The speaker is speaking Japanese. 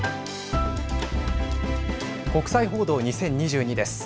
国際報道２０２２です。